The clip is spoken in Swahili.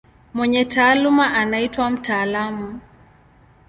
Mwenye taaluma anaitwa mtaalamu.